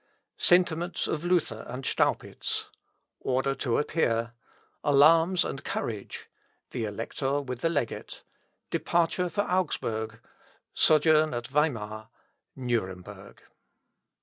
Sentiments of Luther and Staupitz Order to Appear Alarms and Courage The Elector with the Legate Departure for Augsburg Sojourn at Weimar Nuremberg.